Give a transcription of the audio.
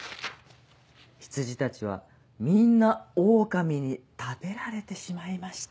「羊たちはみんなオオカミに食べられてしまいました」。